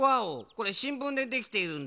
これしんぶんでできているんだ？